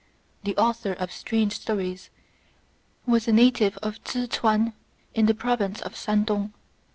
The author of " Strange Stories" was a native of Tzu chou, in the province of Shan tung.